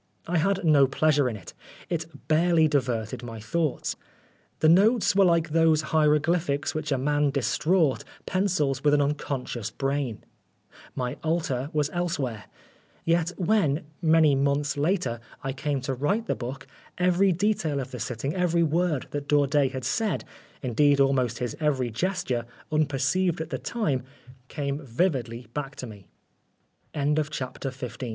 I had no pleasure in it. It barely diverted my thoughts. The notes were like those hieroglyphics which a man distraught pencils with an unconscious brain. My alter was elsewhere ; yet when, many months later, I came to write the book, every detail of the sitting, every word that Daudet had said, indeed almost his every gesture, unperc